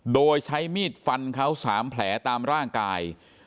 โดยใช้มีดฟันเขา๓แผลตามร่างกาย